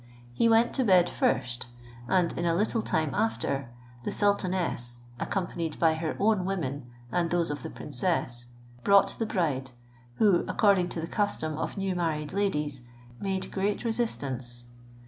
He went to bed first, and in a little time after, the sultaness, accompanied by her own women, and those of the princess, brought the bride, who, according to the custom of new married ladies, made great resistance.